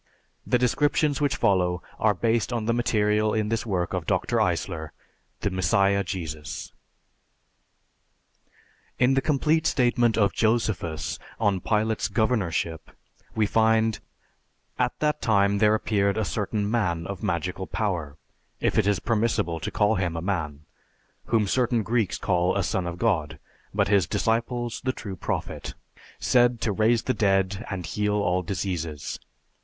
The descriptions which follow are based on the material in this work of Dr. Eisler, "The Messiah Jesus." In the complete statement of Josephus on Pilate's governorship, we find, "At that time there appeared a certain man of magical power, if it is permissible to call him a man, whom certain Greeks call a Son of God, but his disciples, the True Prophet, said to raise the dead, and heal all diseases.